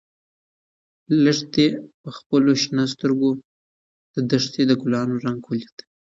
لښتې په خپلو شنه سترګو کې د دښتې د ګلانو رنګ ولید.